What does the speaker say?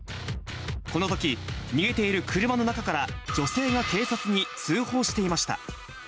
このとき、逃げている車の中から女性が警察に通報していました。